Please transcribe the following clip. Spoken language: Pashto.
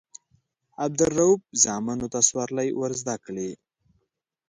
عبدالروف زامنو ته سورلۍ ورزده کړي.